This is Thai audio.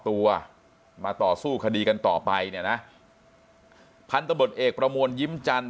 ตัวมาต่อสู้คดีกันต่อไปเนี่ยนะพันธบทเอกประมวลยิ้มจันท